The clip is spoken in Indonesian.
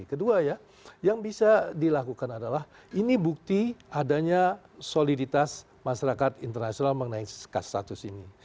kedua ya yang bisa dilakukan adalah ini bukti adanya soliditas masyarakat internasional mengenai status ini